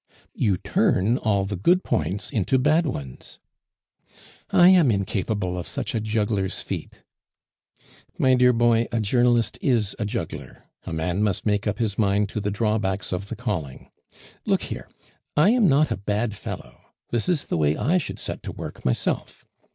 "You turn all the good points into bad ones." "I am incapable of such a juggler's feat." "My dear boy, a journalist is a juggler; a man must make up his mind to the drawbacks of the calling. Look here! I am not a bad fellow; this is the way I should set to work myself.